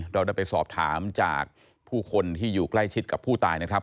เราได้ไปสอบถามจากผู้คนที่อยู่ใกล้ชิดกับผู้ตายนะครับ